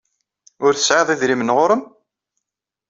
Ur tesɛiḍ idrimen ɣur-m?